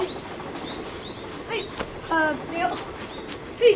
はい。